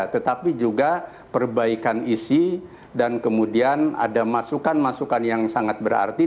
tetapi juga perbaikan isi dan kemudian ada masukan masukan yang sangat berarti